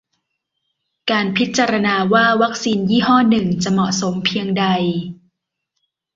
การพิจารณาว่าวัคซีนยี่ห้อหนึ่งจะ "เหมาะสม" เพียงใด